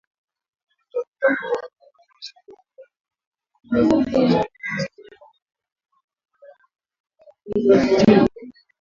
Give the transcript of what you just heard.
Vidonda vya tumbo na matone ya damu kwenye mfumo wa usagaji au umengenyaji chakula